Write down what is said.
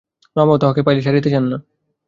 মামাও তাহাকে পাইলে ছাড়িতে চান না।